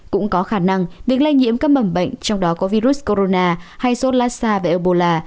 cũng có khả năng bị lây nhiễm các mầm bệnh trong đó có virus corona hay sốt lasa và ebola